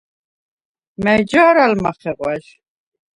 მა̈ჲ ჯა̄რ ალ მახეღვა̈ჟ?